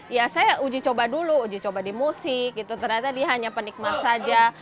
ya saya uji coba dulu uji coba di musik gitu ternyata dia hanya penikmat saja